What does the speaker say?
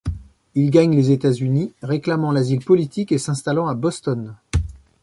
Ils gagnent les États-Unis, réclamant l'asile politique et s'installant à Boston.